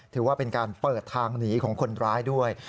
ถือว่าเป็นการเปิดทางหนีของคนร้ายด้วย